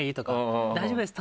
「大丈夫です！」